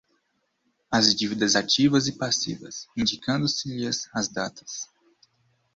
as dívidas ativas e passivas, indicando-se-lhes as datas